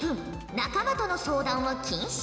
仲間との相談は禁止。